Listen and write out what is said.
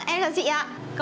em chào chị ạ